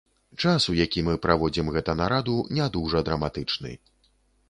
Час, у які мы праводзім гэта нараду, не дужа драматычны.